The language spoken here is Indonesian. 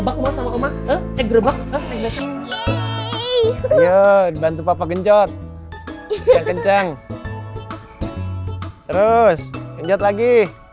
big feeling ya eu bantu papa gencot kekenceng terus juga lagi